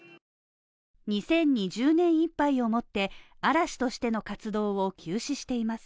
２０２０年いっぱいをもって嵐としての活動を休止しています。